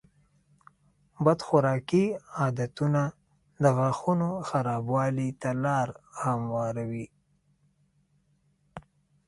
بد خوراکي عادتونه د غاښونو خرابوالي ته لاره هواروي.